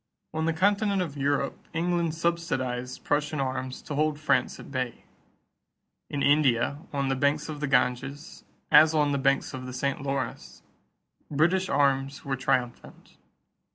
On the continent of Europe, England subsidized Prussian arms to hold France at bay. In India, on the banks of the Ganges, as on the banks of the St. Lawrence, British arms were triumphant.